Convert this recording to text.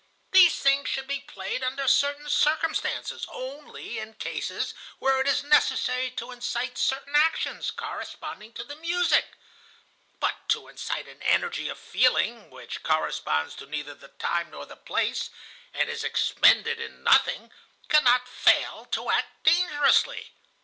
These things should be played under certain circumstances, only in cases where it is necessary to incite certain actions corresponding to the music. But to incite an energy of feeling which corresponds to neither the time nor the place, and is expended in nothing, cannot fail to act dangerously.